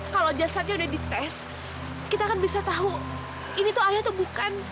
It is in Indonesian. kalau jasadnya udah dites kita akan bisa tahu ini tuh ayah atau bukan